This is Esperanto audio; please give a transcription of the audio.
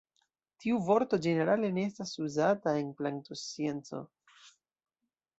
Tiu vorto ĝenerale ne estas uzata en plantoscienco.